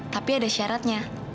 tapi ada syaratnya